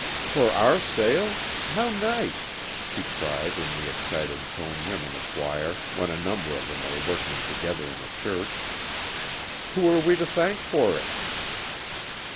"For our sale? How nice!" she cried in the excited tone women acquire when a number of them are working together in a church. "Who are we to thank for it?"